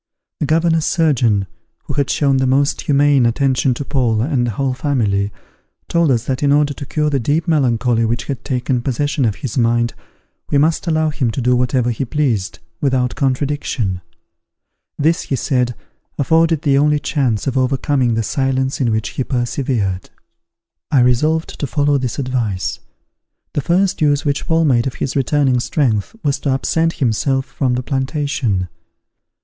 The governor's surgeon, who had shown the most humane attention to Paul and the whole family, told us that in order to cure the deep melancholy which had taken possession of his mind, we must allow him to do whatever he pleased, without contradiction: this, he said, afforded the only chance of overcoming the silence in which he persevered. I resolved to follow this advice. The first use which Paul made of his returning strength was to absent himself from the plantation.